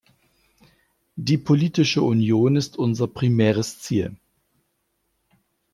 Die politische Union ist unser primäres Ziel.